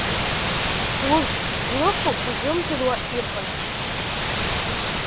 Урҭ злыху узымдыруа иҟан.